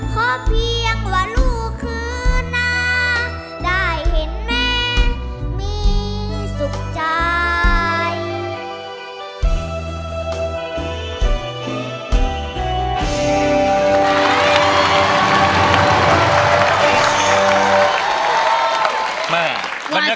เพราะเพียงว่าลูกคืนน้า